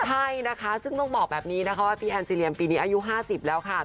ใช่นะคะซึ่งต้องบอกแบบนี้นะคะว่าพี่แอนซีเรียมปีนี้อายุ๕๐แล้วค่ะ